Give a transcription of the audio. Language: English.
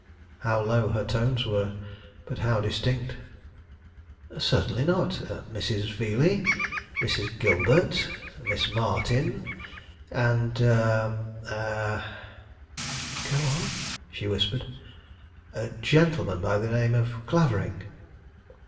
How low her tones were, but how distinct! "Certainly not. Mrs. Veeley, Mrs. Gilbert, Miss Martin, and a a " "Go on," she whispered. "A gentleman by the name of Clavering."